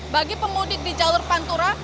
bagi pemudik di jalur pantura